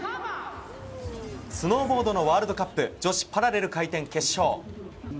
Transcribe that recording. スノーボードのワールドカップ女子パラレル回転決勝。